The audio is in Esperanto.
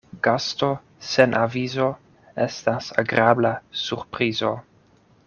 Gasto sen avizo estas agrabla surprizo.